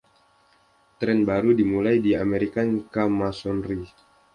Tren baru dimulai di American Co-masonry.